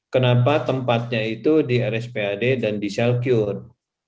kenapa tempatnya itu di rspad dan di shalcue